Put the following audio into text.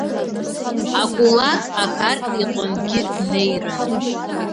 Акулак аӷар иҟынгьы днеирын.